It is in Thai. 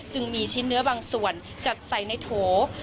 ซึ่งมีชิ้นเนื้อบางส่วนจัดใส่ในโท๊ค